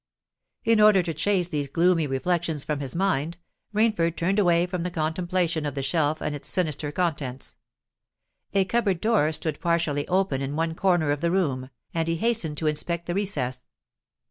_" In order to chase these gloomy reflections from his mind, Rainford turned away from the contemplation of the shelf and its sinister contents. A cupboard door stood partially open in one corner of the room; and he hastened to inspect the recess.